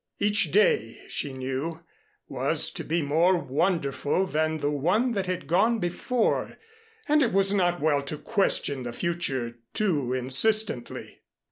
Each day, she knew, was to be more wonderful than the one that had gone before and it was not well to question the future too insistently.